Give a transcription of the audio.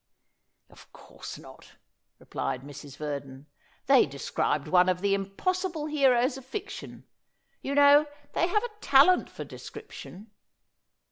"Of course not," replied Mrs. Verdon. "They described one of the impossible heroes of fiction. You know, they have a talent for description."